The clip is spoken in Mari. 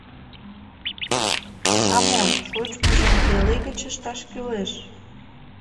А мо шочмыжым пеле гыч ышташ кӱлеш.